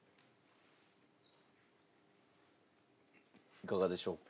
いかがでしょうか？